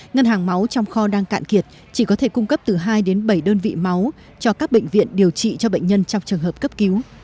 ngân hàng máu trong kho đang cạn kiệt chỉ có thể cung cấp từ hai đến bảy đơn vị máu cho các bệnh viện điều trị cho bệnh nhân trong trường hợp cấp cứu